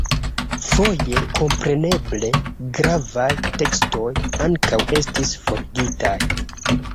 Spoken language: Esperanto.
Foje, kompreneble, gravaj tekstoj ankaŭ estis forigitaj.